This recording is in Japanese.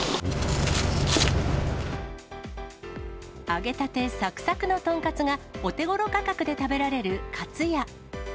揚げたてさくさくの豚カツが、お手ごろ価格で食べられるかつや。